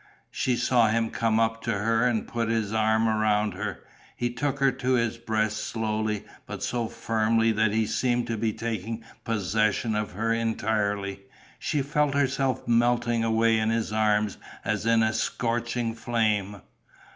She saw him come up to her and put his arm around her. He took her to his breast slowly but so firmly that he seemed to be taking possession of her entirely. She felt herself melting away in his arms as in a scorching flame.